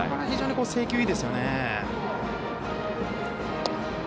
非常に制球がいいですよね。